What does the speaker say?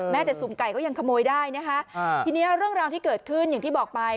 จะสุ่มไก่ก็ยังขโมยได้นะคะทีนี้เรื่องราวที่เกิดขึ้นอย่างที่บอกไป